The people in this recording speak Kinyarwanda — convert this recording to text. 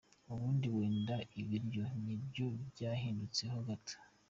Ubundi wenda ibiryo nibyo byahindutseho gato.